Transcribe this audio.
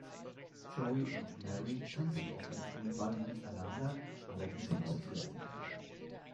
Joey und Mary tanzen auf dem Schulball miteinander, allerdings maskiert.